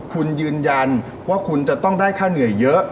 คุณยืนยันว่าคุณจะต้องได้ค่าเหนื่อยเยอะ